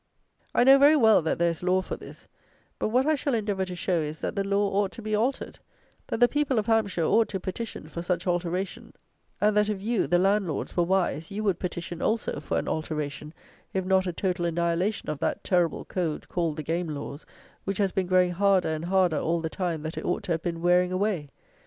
I know very well that there is Law for this; but what I shall endeavour to show is, that the Law ought to be altered; that the people of Hampshire ought to petition for such alteration; and that if you, the Landlords, were wise, you would petition also, for an alteration, if not a total annihilation of that terrible Code, called the Game Laws, which has been growing harder and harder all the time that it ought to have been wearing away.